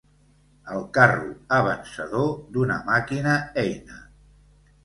El carro avançador d'una màquina eina.